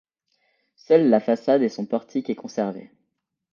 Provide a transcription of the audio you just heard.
Seule la façade et son portique est conservée.